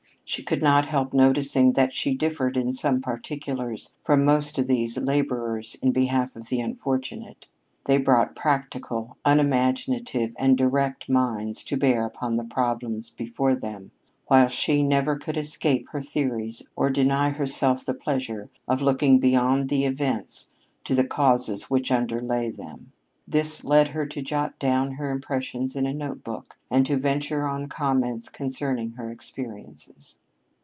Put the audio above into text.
She could not help noticing that she differed in some particulars from most of these laborers in behalf of the unfortunate. They brought practical, unimaginative, and direct minds to bear upon the problems before them, while she never could escape her theories or deny herself the pleasure of looking beyond the events to the causes which underlay them. This led her to jot down her impressions in a notebook, and to venture on comments concerning her experiences.